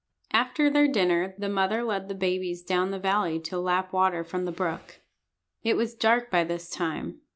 After their dinner the mother led the babies down the valley to lap water from the brook. It was dark by this time.